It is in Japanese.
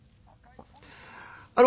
あの。